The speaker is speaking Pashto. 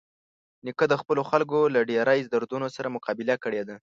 نیکه د خپلو خلکو له ډېرۍ دردونو سره مقابله کړې ده.